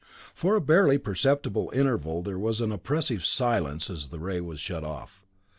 For a barely perceptible interval there was an oppressive silence as the ray was shut off.